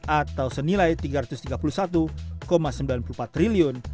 atau senilai rp tiga ratus tiga puluh satu sembilan puluh empat triliun